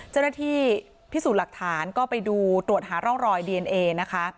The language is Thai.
เจ้าหน้าที่พิสูจน์หลักฐานก็ไปดูตรวจหาร่องรอยดีเอนเอนะคะ